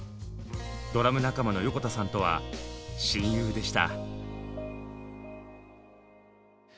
ドラム仲間の横田さんとは親友でした。